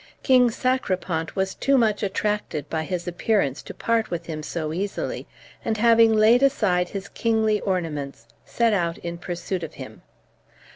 King Sacripant was too much attracted by his appearance to part with him so easily, and having laid aside his kingly ornaments, set out in pursuit of him.